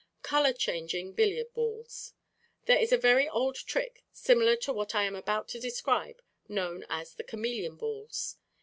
Color changing Billiard Balls.—There is a very old trick similar to what I am about to describe, known as the "Chameleon Balls."